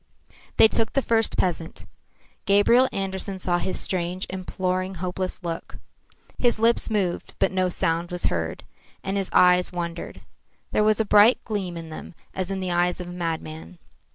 They took the first peasant. Gabriel Andersen saw his strange, imploring, hopeless look. His lips moved, but no sound was heard, and his eyes wandered. There was a bright gleam in them as in the eyes of a madman.